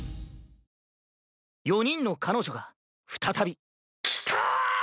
４人の彼女が再びキタ！